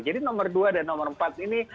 jadi nomor dua dan nomor empat ini